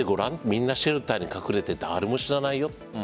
みんなシェルターに隠れて誰も死なないよ。